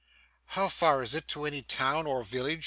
'How far is it to any town or village?